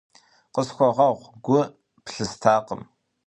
Къысхуэгъэгъу, гу плъыстакъым.